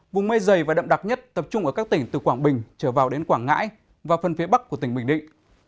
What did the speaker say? vùng mây dày và đậm đặc nhất tập trung ở các tỉnh từ quảng bình trở vào đến quảng ngãi và phân phía bắc của tỉnh bình định